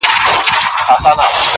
چي فارغ به یې کړ مړی له کفنه؛